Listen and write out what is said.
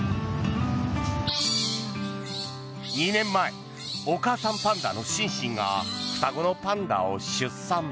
２年前お母さんパンダのシンシンが双子のパンダを出産。